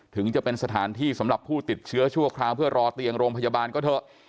ถึงจะเป็นสถานที่สำหรับผู้ติดเชื้อชั่วคราวเพื่อรอเตียงโรงพยาบาลก็เถอะ